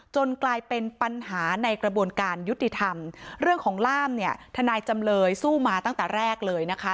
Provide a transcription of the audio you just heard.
กลายเป็นปัญหาในกระบวนการยุติธรรมเรื่องของล่ามเนี่ยทนายจำเลยสู้มาตั้งแต่แรกเลยนะคะ